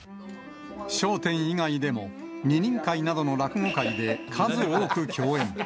笑点以外でも二人会などの落語会などで数多く共演。